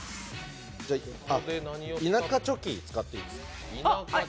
田舎チョキ使っていいですか。